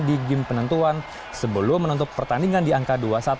di game penentuan sebelum menentuk pertandingan di angka dua puluh satu lima belas